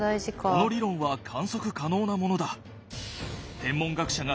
この理論は観測可能なものだ。